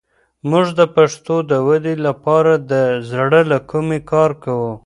موږ د پښتو د ودې لپاره د زړه له کومې کار کوو.